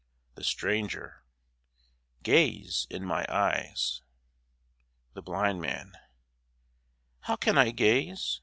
THE STRANGER Gaze in my eyes. THE BLIND MAN How can I gaze?